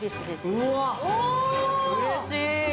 うれしい。